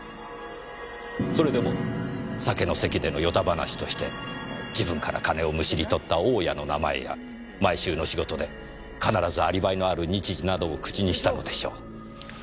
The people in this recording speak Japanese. それでも酒の席での与太話として自分から金をむしり取った大家の名前や毎週の仕事で必ずアリバイのある日時などを口にしたのでしょう。